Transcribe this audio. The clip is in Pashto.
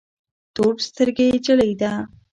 تور سترګي جلی ده